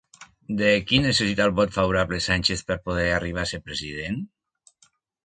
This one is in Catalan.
De qui necessita el vot favorable Sánchez per poder arribar a ser president?